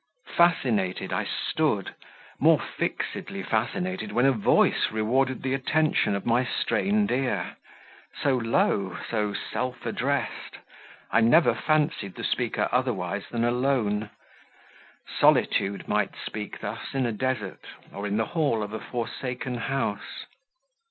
Fascinated, I stood, more fixedly fascinated when a voice rewarded the attention of my strained ear so low, so self addressed, I never fancied the speaker otherwise than alone; solitude might speak thus in a desert, or in the hall of a forsaken house.